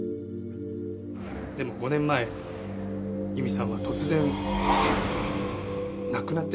でも５年前佑美さんは突然亡くなってしまった。